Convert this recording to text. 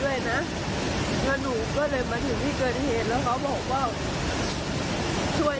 แล้วรูปสุดท้ายที่หนูเจอที่หนูเห็น